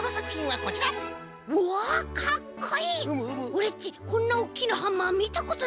オレっちこんなおっきなハンマーみたことないよ。